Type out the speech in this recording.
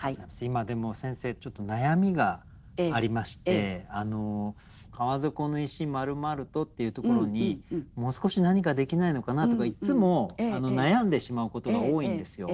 今でも先生ちょっと悩みがありまして「川底の石丸々と」っていうところにもう少し何かできないのかなとかいつも悩んでしまうことが多いんですよ。